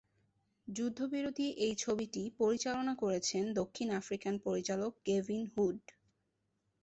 যুদ্ধবিরোধী এই ছবিটি পরিচালনা করেছেন দক্ষিণ আফ্রিকান পরিচালক গেভিন হুড।